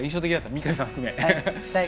三上さんを含め。